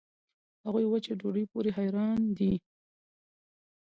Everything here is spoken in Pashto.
هغوي وچې ډوډوۍ پورې حېران دي.